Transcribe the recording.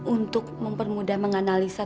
untuk mempermudah menganalisa